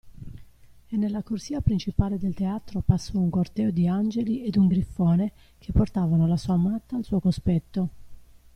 E nella corsia principale del teatro passò un corteo di angeli ed un grifone che portavano la sua amata al suo cospetto.